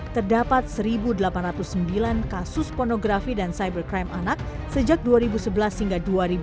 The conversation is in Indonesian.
terdapat satu delapan ratus sembilan kasus pornografi dan cybercrime anak sejak dua ribu sebelas hingga dua ribu dua puluh